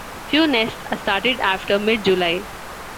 Few nests are started after mid-July.